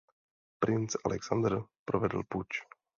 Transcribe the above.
Princ Alexandr provedl puč.